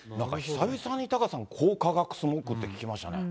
久々にタカさん、光化学スモッグって、聞きましたね。